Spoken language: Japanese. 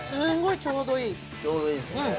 ちょうどいいっすね。